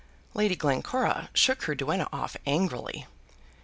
Lady Glencora shook her duenna off angrily.